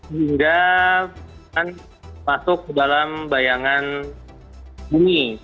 hingga masuk ke dalam bayangan bumi